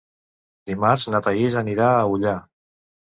Dimarts na Thaís anirà a Ullà.